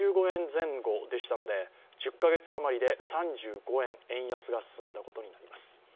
前後でしたので１０か月あまりで３５円円安が進んだことになります。